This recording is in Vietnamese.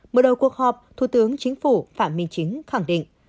mở đầu cuộc họp thủ tướng chính phủ phạm minh chính khẳng định